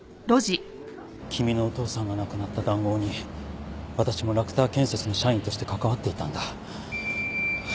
君のお父さんが亡くなった談合に私もラクター建設の社員として関わっていたんだ。